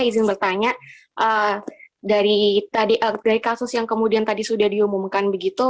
izin bertanya dari kasus yang kemudian tadi sudah diumumkan begitu